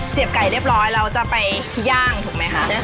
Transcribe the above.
ไก่เรียบร้อยเราจะไปย่างถูกไหมคะ